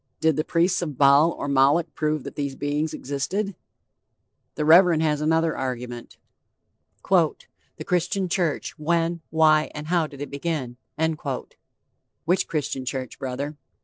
Did the priests of Baal or Moloch prove that these beings existed? The Reverend has another argument: "The Christian Church when, why and how did it begin?" Which Christian church, brother?